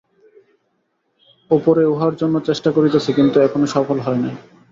অপরে উহার জন্য চেষ্টা করিতেছে, কিন্ত এখনও সফল হয় নাই।